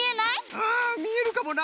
うんみえるかもな。